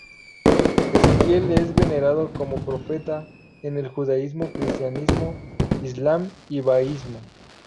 Ezequiel es venerado como profeta en el judaísmo, cristianismo, islam y bahaísmo.